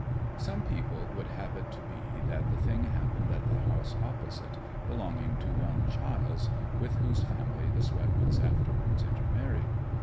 Some people would have it to be that the thing happened at the house opposite, belonging to one Childs, with whose family the Swetmans afterwards intermarried.